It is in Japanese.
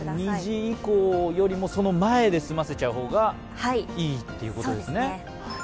午後２時以降よりもその前に済ませちゃう方がいいということですね。